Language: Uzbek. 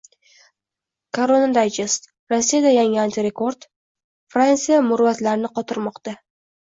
Koronadayjest: Rossiyada yangi antirekord, Fransiya murvatlarni qotirmoqda